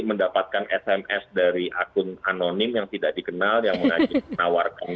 mendapatkan sms dari akun anonim yang tidak dikenal yang menawarkan